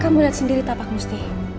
kamu lihat sendiri tak pak musti